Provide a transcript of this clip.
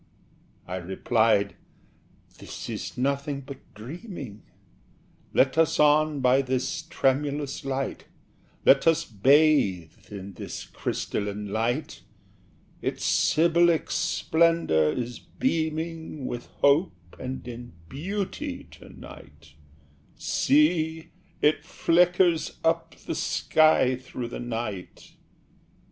I replied "This is nothing but dreaming: Let us on by this tremulous light! Let us bathe in this crystalline light! Its Sybilic splendour is beaming With Hope and in Beauty to night: See! it flickers up the sky through the night!